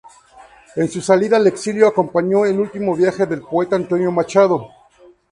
En su salida al exilio acompañó el último viaje del poeta Antonio Machado.